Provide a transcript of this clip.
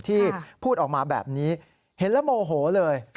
ที่พูดออกมาแบบนี้เห็นแล้วโมโหเลย